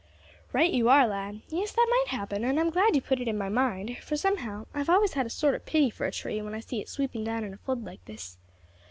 "Right you are, lad; yes, that might happen, and I am glad you put it in my mind, for somehow I have always had a sorter pity for a tree when I see it sweeping down in a flood like this.